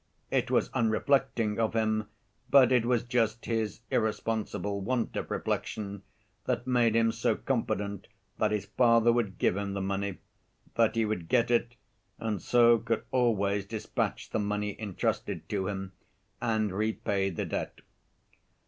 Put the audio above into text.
It was unreflecting of him, but it was just his irresponsible want of reflection that made him so confident that his father would give him the money, that he would get it, and so could always dispatch the money entrusted to him and repay the debt.